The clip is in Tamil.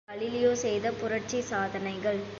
பதினெட்டு கலீலியோ செய்த புரட்சிச் சாதனைகள்!